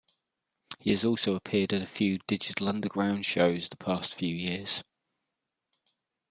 He has also appeared at a few Digital Underground shows the past few years.